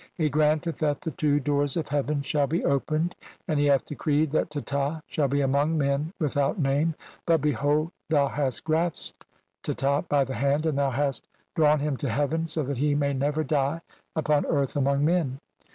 He granteth that the two doors "of heaven shall be opened, and he hath decreed that "Teta. shall be among men without name ; but behold, "thou hast grasped Teta. by the hand and thou hast "drawn him to heaven so that he may never die upon "earth among men.